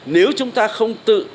nếu chúng ta không tự